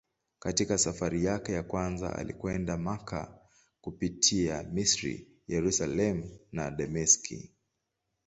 Katika safari yake ya kwanza alikwenda Makka kupitia Misri, Yerusalemu na Dameski.